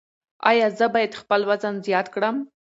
ایا زه باید خپل وزن زیات کړم؟